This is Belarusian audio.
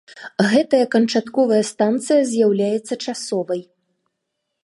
Гэтая канчатковая станцыя з'яўляецца часовай.